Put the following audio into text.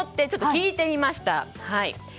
ちょっと聞いてみました。